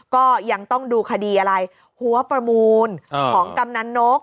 ก็ยังต้องดูคดีอะไรหัวประมูลของกำนันนก